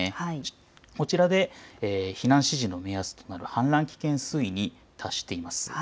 こちらで避難指示の目安となる氾濫危険水位に達しています。